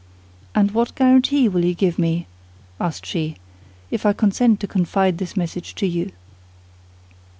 "And what guarantee will you give me," asked she, "if I consent to confide this message to you?"